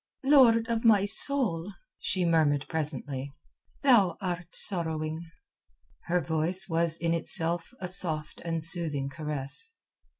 "Lord of my soul," she murmured presently, "thou art sorrowing." Her voice was in itself a soft and soothing caress.